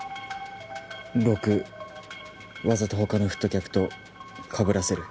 ６わざと他の太客とかぶらせる。